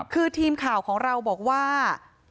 คือทีมข่าวของเราบอกว่า